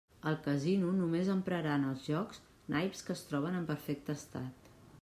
El casino només emprarà en els jocs naips que es troben en perfecte estat.